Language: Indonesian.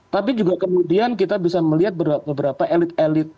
tapi juga kemudian kita bisa melihat beberapa elit elit